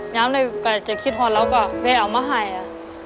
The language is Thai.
ย้ำได้กะเจ้าคิดฮอตแล้วก็ไปเอามาหายอะ